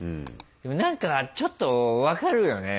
でも何かちょっと分かるよね